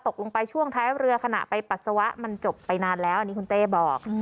ตกลงไปช่วงท้ายเรือขณะไปปัสสาวะมันจบไปนานแล้วอันนี้คุณเต้บอก